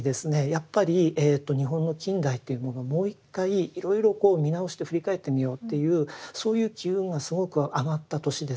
やっぱり日本の近代というものをもう一回いろいろこう見直して振り返ってみようっていうそういう機運がすごく上がった年です。